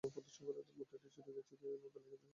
মূর্তিটি চুরি গেছে, কেউ নিয়ে পালিয়ে গেছে, ব্যস।